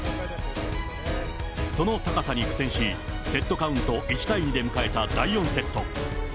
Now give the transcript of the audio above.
その高さに苦戦し、セットカウント１対２で迎えた第４セット。